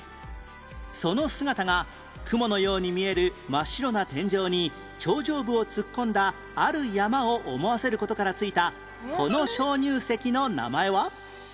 その姿が雲のように見える真っ白な天井に頂上部を突っ込んだある山を思わせる事から付いたこの鍾乳石の名前は？